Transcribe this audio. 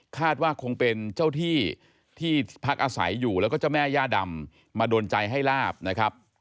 ว่าคงเป็นเจ้าที่ที่พักอาศัยอยู่แล้วก็เจ้าแม่ย่าดำมาโดนใจให้ลาบนะครับ